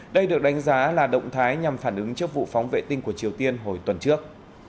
đây được đánh giá là động thái nhằm phản ứng trước vụ phóng vệ tinh của triều tiên hồi tuần trước